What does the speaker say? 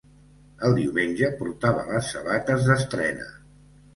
El diumenge portava les sabates d'estrena.